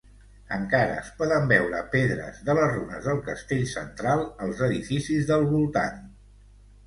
Encara es poden veure pedres de les runes del castell central als edificis del voltant.